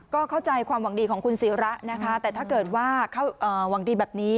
ก็เข้าใจความหวังดีของคุณศิระนะคะแต่ถ้าเกิดว่าหวังดีแบบนี้